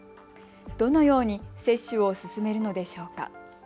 どのように接種を進めるのでしょうか。